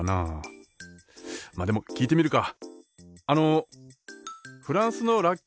まあでも聞いてみるか。